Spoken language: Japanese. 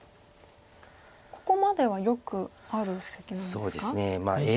ここまではよくある布石なんですか？